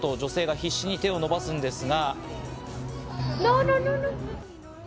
救出しようと女性が必死に手を伸ばすんですが。